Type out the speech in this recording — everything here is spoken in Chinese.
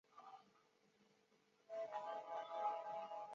东汉建安中分匈奴左部居此。